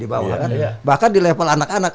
di bawah kan bahkan di level anak anak